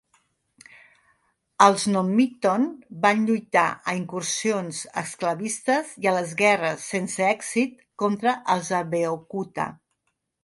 Els N'Nonmiton van lluitar a incursions esclavistes i a les guerres sense èxit contra els Abeokuta.